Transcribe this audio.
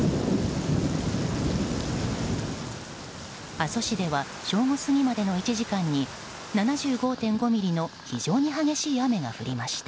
阿蘇市では正午過ぎまでの１時間に７５．５ミリの非常に激しい雨が降りました。